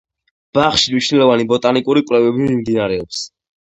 ბაღში მნიშვნელოვანი ბოტანიკური კვლევები მინდინარეობს.